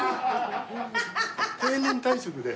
定年退職で。